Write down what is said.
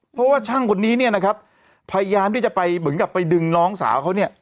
เพราะว่าช่างคนนี้เนี่ยนะครับพยายามที่จะไปเหมือนกับไปดึงน้องสาวเขาเนี่ย